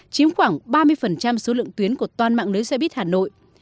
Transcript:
chiếm khoảng ba mươi số lượng tuyến của toàn mạng lưới xe buýt hà nội